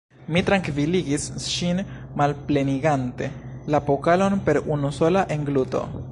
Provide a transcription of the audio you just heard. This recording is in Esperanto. Mi trankviligis ŝin, malplenigante la pokalon per unu sola engluto.